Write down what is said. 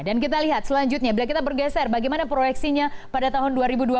dan kita lihat selanjutnya bila kita bergeser bagaimana proyeksinya pada tahun dua ribu dua puluh